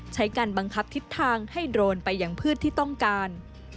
ใช้การบังคับทิศทางให้โดรนไปอย่างพืชที่ต้องการ